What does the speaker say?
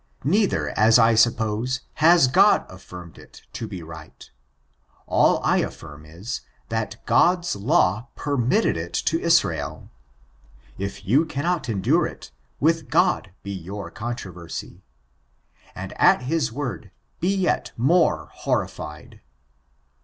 Neither, as I suppose, has God afiBrmed it to be right. All I affirm is, that God's law permitted it to Israel. If you cannot endure it, with God be your controversy; and at his word be yet more horrified.